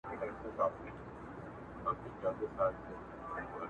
نه یوه مسته ترانه سته زه به چیري ځمه!.